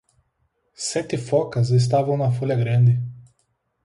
Sete focas estavam na folha grande.